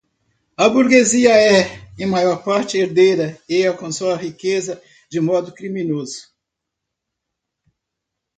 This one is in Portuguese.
A burguesia é, em maior parte, herdeira e alcançou a riqueza de modo criminoso